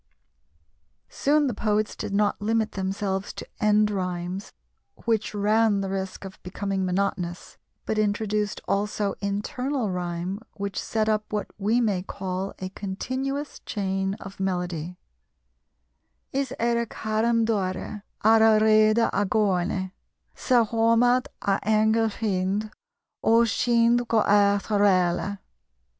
Soon the poets did not limit themselves to end rhymes, which ran the risk of becoming monotonous, but introduced also internal rhyme, which set up what we may call a continuous chain of melody: is aire caraim DOIRE ar a reidhe ar a ghlOINE 's ar iomad a aingel fIND ó 'n CIND go aoich arOILE.